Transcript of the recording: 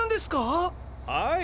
はい。